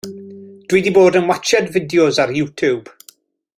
Dw i 'di bod yn watsiad fideos ar Youtube.